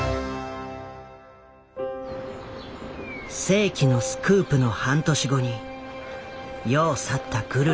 世紀のスクープの半年後に世を去ったグルリット。